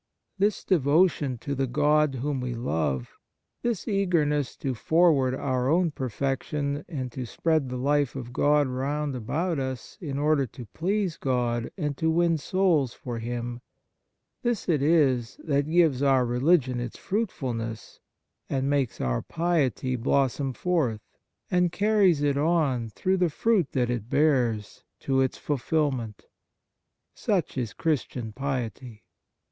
This devotion to the God whom we love, this eagerness to forward our own perfection and to spread the life of God round about us in order to please God and to win souls for Him — this it is that gives our religion its fruitfulness and makes our piety blossom forth, and carries it on, through the fruit that it bears, to its fulfilment. Such is Christian piety.